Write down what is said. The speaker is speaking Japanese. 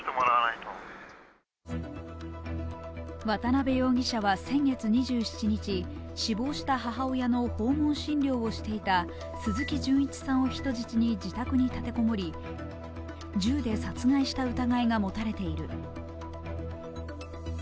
渡辺容疑者は先月２７日、死亡した母親の訪問診療をしていた鈴木純一さんを人質に自宅に立てこもり銃で殺害した疑いが持たれている。